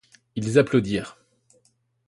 Ils applaudirent.